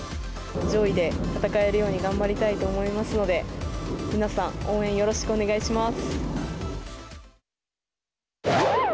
上位で戦えるように頑張りたいと思いますので、皆さん応援よろしくお願いします。